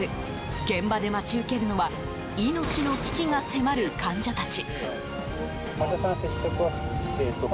現場で待ち受けるのは命の危機が迫る患者たち。